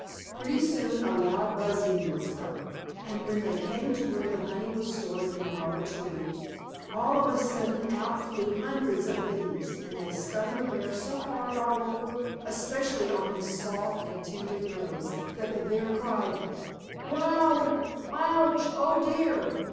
Pretty soon a loud buzzing was heard, and when they came to where the honey was stored in the hollow tree, all of a sudden out flew hundreds of bees, and they stung the bear so hard all over, especially on his soft and tender nose, that the bear cried: "Wow! Wouch! Oh, dear!"